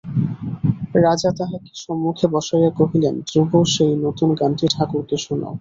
রাজা তাহাকে সম্মুখে বসাইয়া কহিলেন, ধ্রুব সেই নূতন গানটি ঠাকুরকে শোনাও।